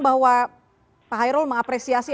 bahwa pak hairul mengapresiasi